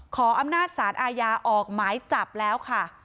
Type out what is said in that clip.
ขออำนาจสารอาญาออกหมายจับแล้วค่ะ